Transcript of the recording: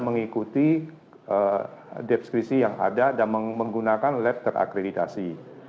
menikuti deskripsi yang ada dan menggunakan lab terakreditasi